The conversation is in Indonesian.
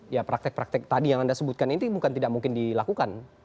ya praktek praktek tadi yang anda sebutkan ini bukan tidak mungkin dilakukan